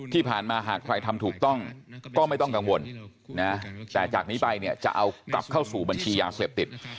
ที่ผ่านมาหากใครทำถูกต้องก็ไม่ต้องกังวลนะแต่จากนี้ไปเนี่ยจะเอากลับเข้าสู่บัญชียาเสพติด